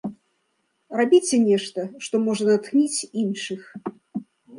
Рабіце нешта, што можа натхніць іншых.